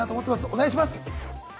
お願いします